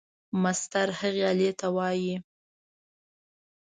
مسطر هغې آلې ته وایي.